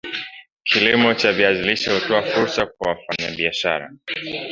Kilimo cha viazi lishe hutoa fursa kwa wafanyabiashara